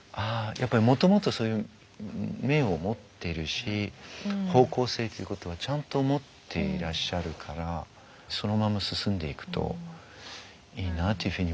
やっぱりもともとそういう面を持ってるし方向性っていうことはちゃんと持っていらっしゃるからそのまま進んでいくといいなというふうには思いますね。